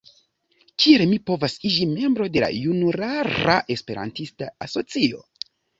Kiel mi povas iĝi membro de la junulara Esperantista asocio?